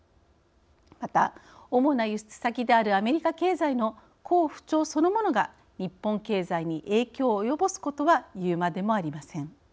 また、主な輸出先であるアメリカ経済の好不調そのものが日本経済に影響を及ぼすことは言うまでもありません。